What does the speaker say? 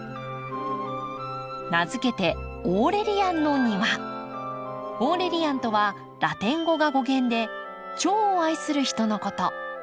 名付けてオーレリアンとはラテン語が語源で「チョウを愛する人」のこと。